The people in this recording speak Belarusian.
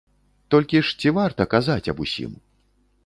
Толькі ж ці варта казаць аб усім?